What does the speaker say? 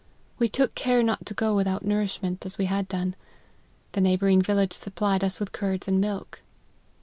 We took care not to go without nourishment, as we had done ; the neighbouring village supplied us with curds and milk.